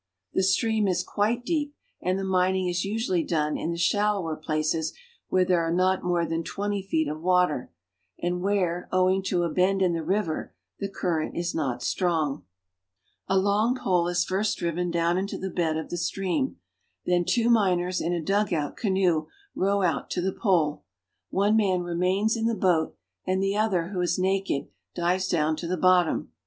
The stream is quite deep, and the mining is usually done in the shallower places where there are not more than twenty feet of water, and where, owing to a bend in the river, the current is not strong. A long pole is first driven down into the bed of the stream. Then two miners in a dugout canoe row out to the pole. One man remains in the boat, and the other, who is naked, dives down to the bottom.